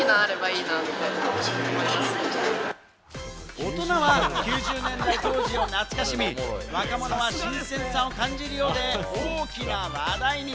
大人は９０年代当時を懐かしみ、若者は新鮮さを感じるようで、今、大きな話題に。